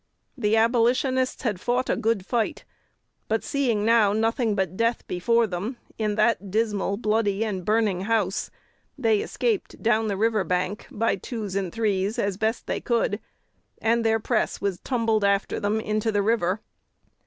The Abolitionists had fought a good fight; but seeing now nothing but death before them, in that dismal, bloody, and burning house, they escaped down the river bank, by twos and threes, as best they could, and their press was tumbled after them, into the river.